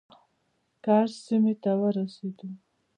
کرز سیمې ته ورسېدو.